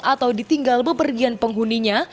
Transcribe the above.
atau ditinggal bepergian penghuninya